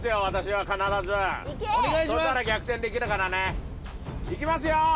私は必ずそしたら逆転できるからねいきますよ